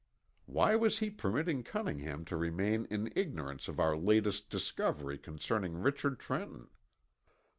Why was he permitting Cunningham to remain in ignorance of our latest discovery concerning Richard Trenton?